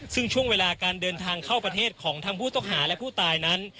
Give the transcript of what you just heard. ซึ่งช่วงเวลาการเดินทางเข้าประเทศของทั้งผู้ต้องหาและผู้ตายนั้น